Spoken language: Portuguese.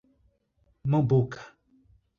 Mombuca